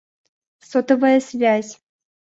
Сотовая связь